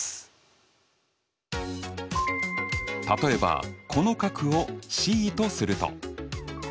例えばこの角をｃとすると∠